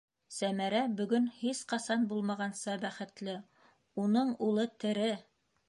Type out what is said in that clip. Сәмәрә бөгөн һис ҡасан булмағанса бәхетле: уның улы тере!